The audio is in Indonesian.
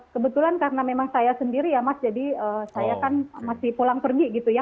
kebetulan karena memang saya sendiri ya mas jadi saya kan masih pulang pergi gitu ya